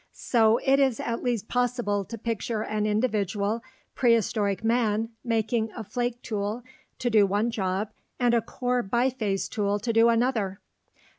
So it is at last possible to picture an individual prehistoric man making a flake tool to do one job and a core biface tool to do another.